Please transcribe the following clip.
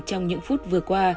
trong những phút vừa qua